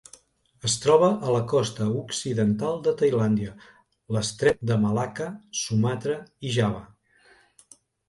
Es troba a la costa occidental de Tailàndia, l'Estret de Malacca, Sumatra i Java.